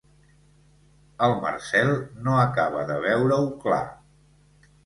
El Marcel no acaba de veure-ho clar.